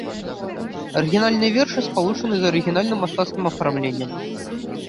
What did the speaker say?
Арыгінальныя вершы спалучаны з арыгінальным мастацкім афармленнем.